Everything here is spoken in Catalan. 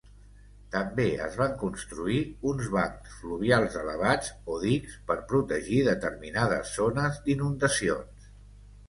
També es van construir uns bancs fluvials elevats o dics, per protegir determinades zones d'inundacions.